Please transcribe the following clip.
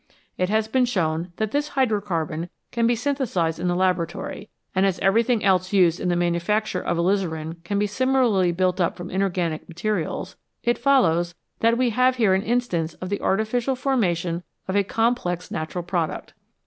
It has been shown that this hydrocarbon can be synthesised in the laboratory, and as everything else used in the manufacture of alizarin can be similarly built up from inorganic materials, it follows that we have here an instance of the artificial formation of a complex natural product.